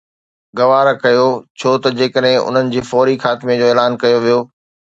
گوارا ڪيو ڇو ته جيڪڏهن انهن جي فوري خاتمي جو اعلان ڪيو ويو